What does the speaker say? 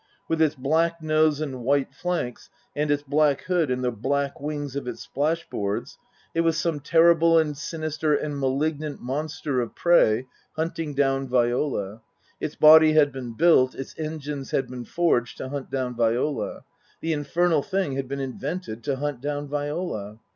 With its black nose and white flanks, and its black hood and the black wings of its splash boards, it was some terrible and sinister and malignant monster of prey hunting down Viola. Its body had been built, its engines had been forged, to hunt down Viola. The infernal thing had been invented to hunt down Viola.